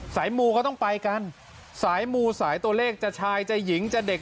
มูเขาต้องไปกันสายมูสายตัวเลขจะชายจะหญิงจะเด็ก